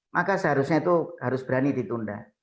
maka seharusnya itu harus berani ditunda